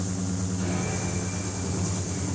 ［ここ数年］